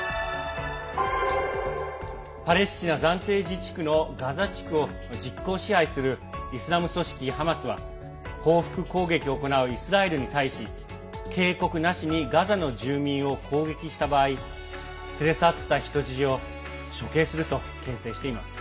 パレスチナ暫定自治区のガザ地区を実効支配するイスラム組織ハマスは報復攻撃を行うイスラエルに対し警告なしにガザの住民を攻撃した場合連れ去った人質を処刑するとけん制しています。